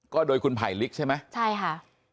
ก็โดยคุณไผลลิกใช่ไหมใช่ค่ะ